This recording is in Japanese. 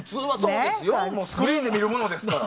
スクリーンで見るものですからね。